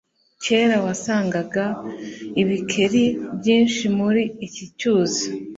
kera wasangaga ibikeri byinshi muri iki cyuzi